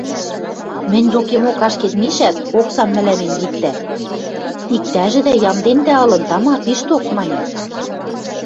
Мӹнь докемок ашкед мишӓт, оксам мӹлӓнем виктӓ: «Иктӓжӹдӓ ямдендӓ ылын, тама, пишток», – маньы...